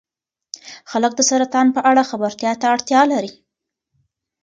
خلک د سرطان په اړه خبرتیا ته اړتیا لري.